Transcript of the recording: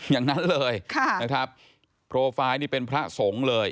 อย่างนั้นเลยนะครับโปรไฟล์นี่เป็นพระสงฆ์เลย